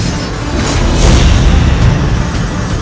orang orang bitipu itu tak memanafaskan